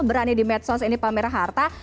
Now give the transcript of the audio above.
berani di medsos ini pamer harta